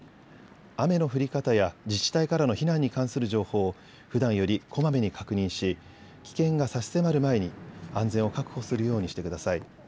雨の降り方や自治体からの避難に関する情報をふだんよりこまめに確認し危険が差し迫る前に安全を確保するようにしてください。